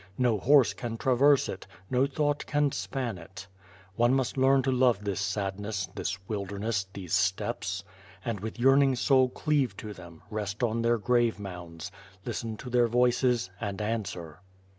No horse can traverse it; no thought can span it One must learn to love this sadness, this wilderness, these steppes; and with yearning soul cleave to them, rest on their grave mounds; listen to their voices, and answer.